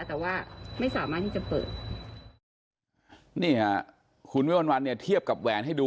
แต่ว่าไม่สามารถที่จะเปิดนี่ค่ะคุณวิวัลวันเนี่ยเทียบกับแหวนให้ดู